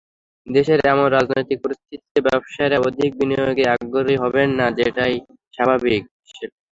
দেশের এমন রাজনৈতিক পরিস্থিতিতে ব্যবসায়ীরা অধিক বিনিয়োগে আগ্রহী হবেন না, সেটাই স্বাভাবিক।